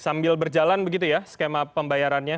sambil berjalan begitu ya skema pembayarannya